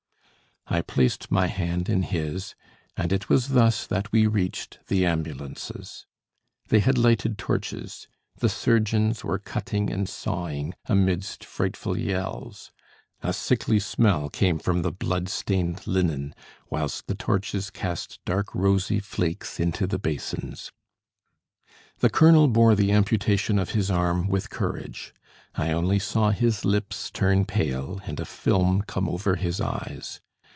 I placed my hand in his, and it was thus that we reached the ambulances. They had lighted torches; the surgeons were cutting and sawing, amidst frightful yells; a sickly smell came from the blood stained linen, whilst the torches cast dark rosy flakes into the basins. The colonel bore the amputation of his arm with courage; I only saw his lips turn pale and a film come over his eyes.